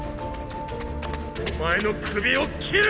お前の首を切る！